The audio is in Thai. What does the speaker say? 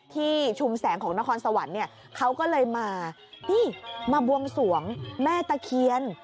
ชุมแสงของนครสวรรค์เนี่ยเขาก็เลยมานี่มาบวงสวงแม่ตะเคียน